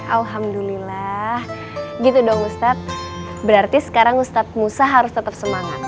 alhamdulillah gitu dong ustadz berarti sekarang ustadz musa harus tetap semangat